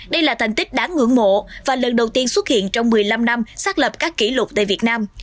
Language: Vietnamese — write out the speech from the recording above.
đây là thành tích đáng ngưỡng mộ và lần đầu tiên xuất hiện trong một mươi năm năm xác lập các kỷ lục tại việt nam